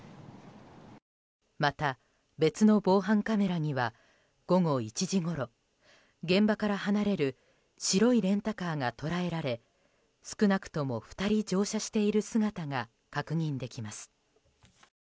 また別の防犯カメラには午後１時ごろ現場から離れる白いレンタカーが捉えられ少なくとも２人乗車している姿が確認できます。